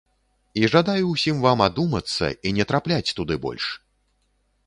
І жадаю ўсім вам адумацца і не трапляць туды больш!